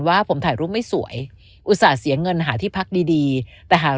ว่าผมถ่ายรูปไม่สวยอุตส่าห์เสียเงินหาที่พักดีดีแต่หาก